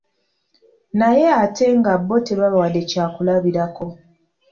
Naye ate nga bo tebabawadde kyakulabirako.